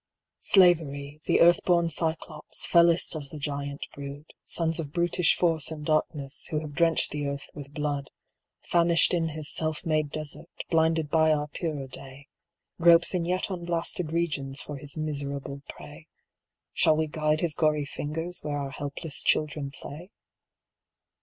Slavery, the earth born Cyclops, fellest of the giant brood, Sons of brutish Force and Darkness, who have drenched the earth with blood, Famished in his self made desert, blinded by our purer day, Gropes in yet unblasted regions for his miserable prey;— Shall we guide his gory fingers where our helpless children play?